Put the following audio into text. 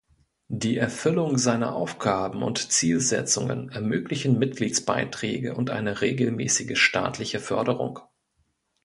Die Erfüllung seiner Aufgaben und Zielsetzungen ermöglichen Mitgliedsbeiträge und eine regelmäßige staatliche Förderung.